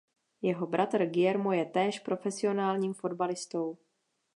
Jeho bratr Guillermo je též profesionálním fotbalistou.